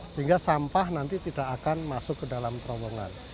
sehingga sampah nanti tidak akan masuk ke dalam terowongan